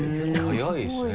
速いですね。